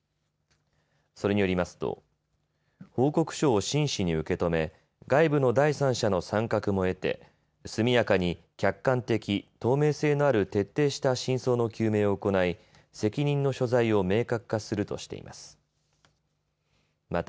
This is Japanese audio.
それによりますと報告書を真摯に受け止め外部の第三者の参画も得て速やかに客観的、透明性のある徹底した真相の究明を行い責任の所在を明確化するとしています。